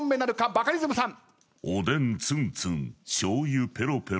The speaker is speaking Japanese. バカリズムさん。